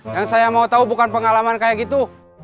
yang saya mau tahu bukan pengalaman kayak gitu